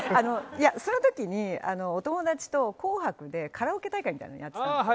その時にお友達と紅白でカラオケ大会みたいなのをやっていたんです。